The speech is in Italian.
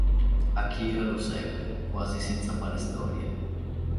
Akira lo segue, quasi senza fare storie.